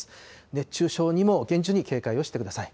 熱中症にも厳重に警戒をしてください。